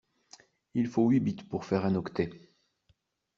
Il faut huit bits pour faire un octet.